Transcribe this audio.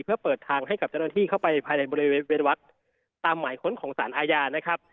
เพื่อเปิดทางให้กับเจ้าหน้าที่เข้าไปภายในบริเวณวัดตามหมายค้นของสารอาญานะครับ